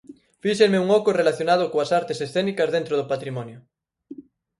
Fíxenme un oco relacionado coas artes escénicas dentro do patrimonio.